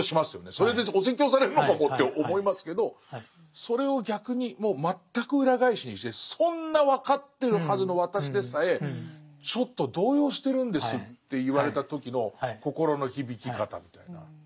それでお説教されるのかもって思いますけどそれを逆にもう全く裏返しにしてそんな分かってるはずの私でさえちょっと動揺してるんですって言われた時の心の響き方みたいな。